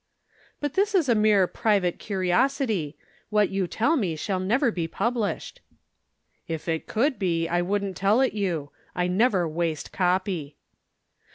"But this is a mere private curiosity what you tell me shall never be published." "If it could be, I wouldn't tell it you. I never waste copy."